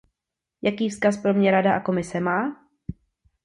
Jaký vzkaz pro ně Rada a Komise má?